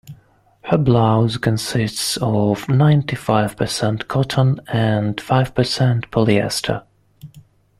Her blouse consists of ninety-five percent cotton and five percent polyester.